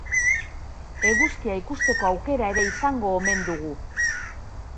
Eguzkia ikusteko aukera ere izango omen dugu.